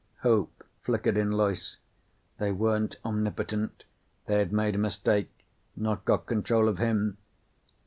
Hope flickered in Loyce. They weren't omnipotent. They had made a mistake, not got control of him.